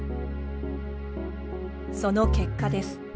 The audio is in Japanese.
その結果です。